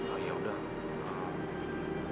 oh yaudah kalau